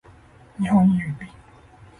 日本郵便